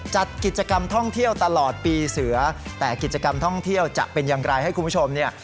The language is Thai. จัดกิจกรรมท่องเที่ยวตลอดปีเสือแต่กิจกรรมท่องเที่ยวจะเป็นอย่างไรให้คุณผู้ชมเนี่ย